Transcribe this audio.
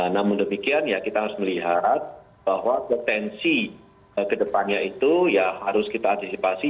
namun demikian ya kita harus melihat bahwa potensi ke depannya itu ya harus kita antisipasi